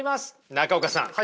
中岡さん